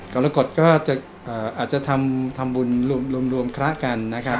กรกฎก็จะอาจจะทำบุญรวมพระกันนะครับ